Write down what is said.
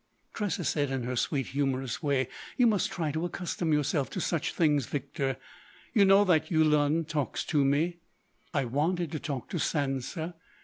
Tressa said in her sweet, humorous way: "You must try to accustom yourself to such things, Victor. You know that Yulun talks to me.... I wanted to talk to Sansa.